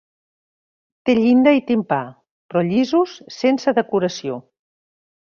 Té llinda i timpà, però llisos, sense decoració.